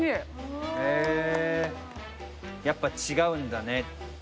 へぇやっぱ違うんだね。